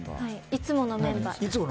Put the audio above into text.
いつものメンバー？